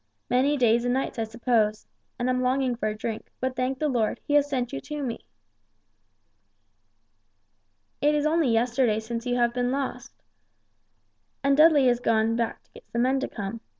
Many days and nights I suppose and I'm longing for a drink, but thank the Lord, He has sent you to me." "It is only since yesterday that you have been lost. And Dudley has gone back to get some men to come.